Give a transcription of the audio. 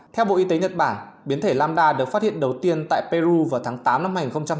theo bộ y tế nhật bản biến thể lambda được phát hiện đầu tiên tại peru vào tháng tám năm hai nghìn hai mươi